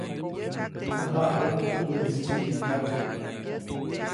Mäjaʼajuʼuŋ teʼ ʼuneʼis tsyikingyak.